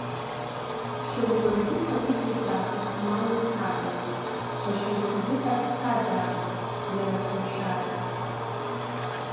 Шьоук рзыҳәа уи жәытәаахыс мал рҳагоуп, ҽа шьоук ҳзыҳәа ԥсҭазаароуп, иара хушьаар.